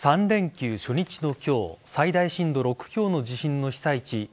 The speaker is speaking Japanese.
３連休初日の今日最大震度６強の地震の被災地